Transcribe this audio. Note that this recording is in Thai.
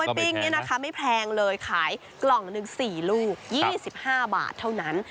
ปิ้งนี่นะคะไม่แพงเลยขายกล่องหนึ่ง๔ลูก๒๕บาทเท่านั้น